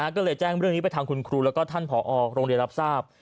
ก็เลยแจ้งเรื่องนี้ไปทางคุณครูแล้วก็ท่านผอโรงเรียนรับทราบ